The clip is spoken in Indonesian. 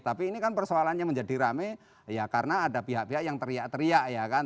tapi ini kan persoalannya menjadi rame ya karena ada pihak pihak yang teriak teriak ya kan